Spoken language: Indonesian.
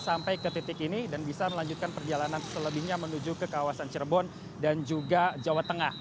sampai ke titik ini dan bisa melanjutkan perjalanan selebihnya menuju ke kawasan cirebon dan juga jawa tengah